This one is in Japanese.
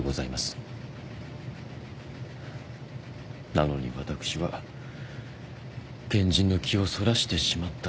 なのに私は賢人の気をそらしてしまった。